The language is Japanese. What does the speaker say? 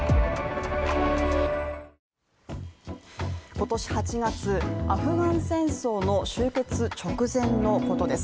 今年８月、アフガン戦争の終結直前のことです。